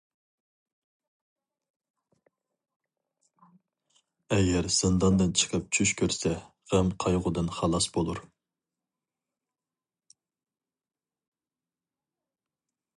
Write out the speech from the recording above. ئەگەر زىنداندىن چىقىپ چۈش كۆرسە، غەم-قايغۇدىن خالاس بولۇر.